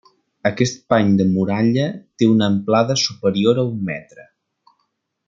Aquest pany de muralla té una amplada superior a un metre.